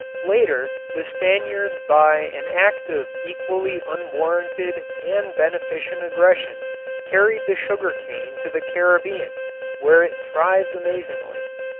Later the Spaniards by an act of equally unwarranted and beneficent aggression carried the sugar cane to the Caribbean, where it thrived amazingly.